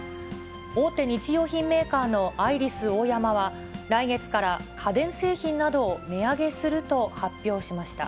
大手日用品メーカーのアイリスオーヤマは、来月から家電製品などを値上げすると発表しました。